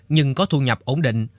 nhưng có thu nhập ổn định